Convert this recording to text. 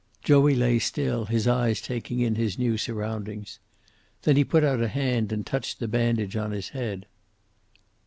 Joey lay still, his eyes taking in his new surroundings. Then he put out a hand and touched the bandage on his head.